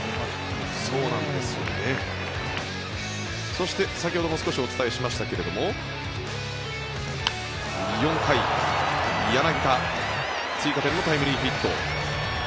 そして、先ほども少しお伝えしましたけど４回、柳田追加点のタイムリーヒット。